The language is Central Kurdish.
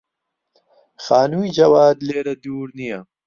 خانووی جەواد لێرە دوور نییە.